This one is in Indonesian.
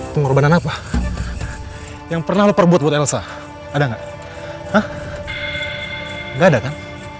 pengorbanan apa yang pernah lo perbuat buat elsa ada gak hah gak ada kan